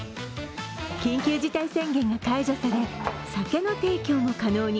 緊急事態条項が解除され、酒の提供も可能に。